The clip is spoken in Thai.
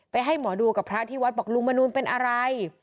ให้หมอดูกับพระที่วัดบอกลุงมนูลเป็นอะไร